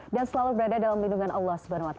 dan selalu berada dalam lindungan allah swt